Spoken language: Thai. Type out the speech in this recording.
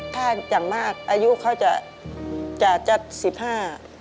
ถ้าอย่างมากอายุเขาจะจะจะสิบห้า